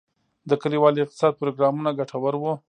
د کلیوالي اقتصاد پروګرامونه ګټور وو؟